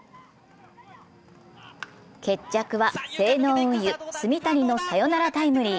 決着は西濃運輸・住谷のサヨナラタイムリー。